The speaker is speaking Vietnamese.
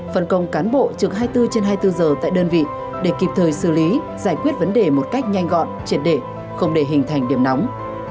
phần công cán bộ trực hai mươi bốn trên hai mươi bốn giờ tại đơn vị để kịp thời xử lý giải quyết vấn đề một cách nhanh gọn triệt để không để hình thành điểm nóng